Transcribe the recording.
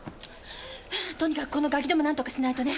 とにかくこのガキどもなんとかしないとね。